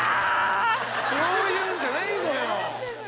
そういうんじゃないのよ。